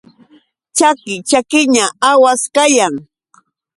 Chaki chakiña awas kayan.